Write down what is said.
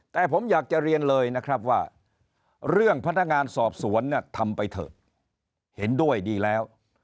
แต่ผมอยากจะเรียนเลยนะครับว่าเรื่องพนักงานสอบสวนเนี่ยทำไปเถอะเห็นด้วยดีแล้ว